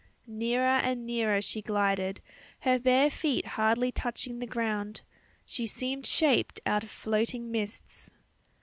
Nearer and nearer she glided, her bare feet hardly touching the ground. She seemed shaped out of floating mists.